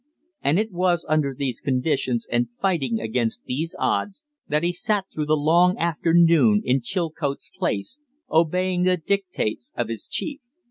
And it was under these conditions, and fighting against these odds, that he sat through the long afternoon in Chilcote's place, obeying the dictates of his chief.